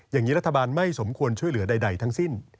อย่างนี้รัฐบาลไม่สมควรช่วยเหลือใดทั้งสิ้น